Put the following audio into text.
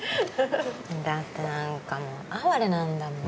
だって何かもう哀れなんだもん。